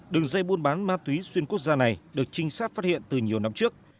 đường dây buôn bán ma túy xuyên quốc gia này được trinh sát phát hiện từ nhiều năm trước